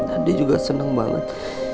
andi juga seneng banget